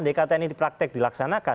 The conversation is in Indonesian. dekata ini dipraktek dilaksanakan